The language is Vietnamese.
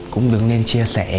cũng đứng lên chia sẻ